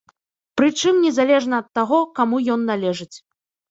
Прычым незалежна ад таго, каму ён належыць.